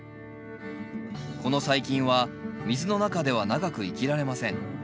この細菌は水の中では長く生きられません。